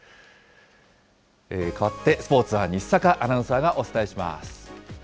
かわってスポーツは西阪アナウンサーがお伝えします。